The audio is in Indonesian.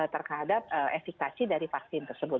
terhadap efekasi dari vaksin tersebut